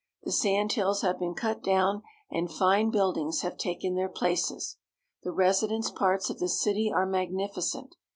The sand hills have been cut down, and fine 276 CALIFORNIA. buildings have taken their places. The residence parts of the city are magnificent.